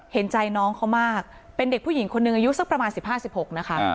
เห็นใจน้องเขามากเป็นเด็กผู้หญิงคนหนึ่งอายุสักประมาณ๑๕๑๖นะคะ